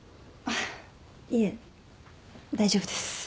いえ大丈夫です。